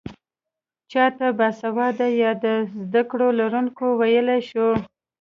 چا ته باسواده يا د زده کړو لرونکی ويلی شو؟